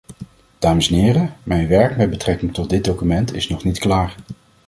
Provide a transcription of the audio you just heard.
Dames en heren, mijn werk met betrekking tot dit document is nog niet klaar.